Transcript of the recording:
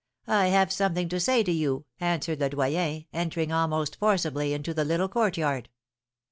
'I have something to say to you,' answered Le Doyen, entering almost forcibly into the little courtyard.